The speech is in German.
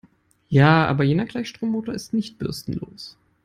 Ja, aber jener Gleichstrommotor ist nicht bürstenlos.